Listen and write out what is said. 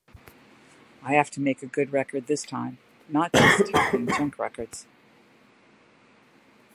I have to make a good record this time, not just talking-junk records.